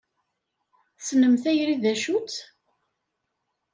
Tessnem tayri d acu-tt?